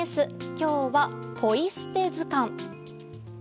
今日は、ポイ捨て図鑑。